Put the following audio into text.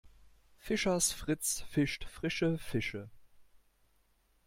Fischers Fritz fischt frische Fische.